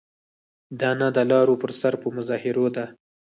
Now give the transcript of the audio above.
دا نه د لارو پر سر په مظاهرو ده.